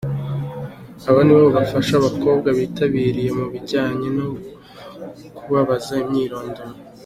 Aba nibo bafasha abakobwa bitabiriye mu bijyanye no kubabaza imyirondoro.